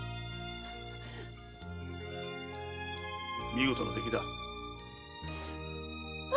見事な出来だ。